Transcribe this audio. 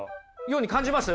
ように感じます？